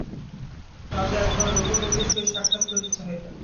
রাজা একবার রঘুপতির সহিত সাক্ষাৎ করিতে চাহিলেন।